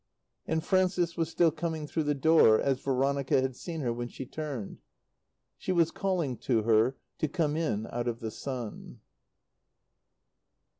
And Frances was still coming through the door as Veronica had seen her when she turned. She was calling to her to come in out of the sun.